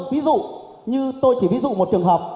ví dụ như tôi chỉ ví dụ một trường hợp